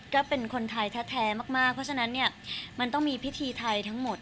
ก็เป็นคนไทยแท้มากเพราะฉะนั้นเนี่ยมันต้องมีพิธีไทยทั้งหมด